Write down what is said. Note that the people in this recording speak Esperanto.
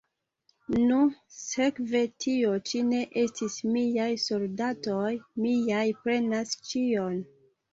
Nu, sekve tio ĉi ne estis miaj soldatoj; miaj prenas ĉion.